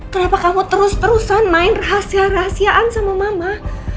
kenapa kamu terus terusan main rahasia rahasiaan sama mama